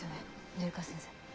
緑川先生。